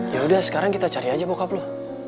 ya udah sekarang kita cari aja bokap lo